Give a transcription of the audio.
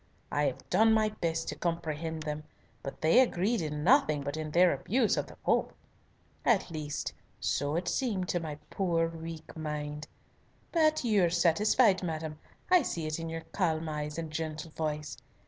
I have done my best to comprehend them, but they agreed in nothing but in their abuse of the Pope. At least so it seemed to my poor weak mind. But you are satisfied, madam, I see it in your calm eyes and gentle voice.